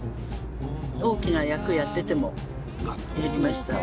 大きな役やっててもやりました。